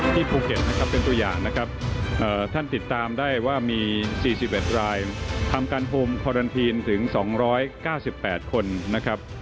ภูเก็ตนะครับเป็นตัวอย่างนะครับท่านติดตามได้ว่ามี๔๑รายทำการโฮมคอรันทีนถึง๒๙๘คนนะครับ